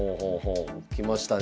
きましたねえ。